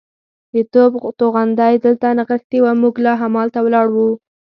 د توپ توغندی دلته نښتې وه، موږ لا همالته ولاړ وو.